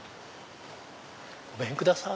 ごめんください。